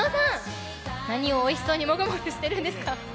何をおいしそうにモグモグしてるんですか！